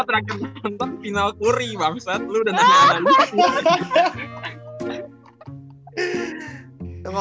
ragzes untuk final kuri maps dengan